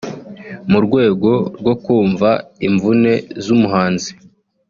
mu rwego rwo kumva imvune z’umuhanzi